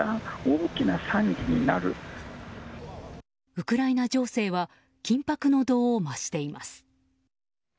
ウクライナ情勢は緊迫の度を増しています。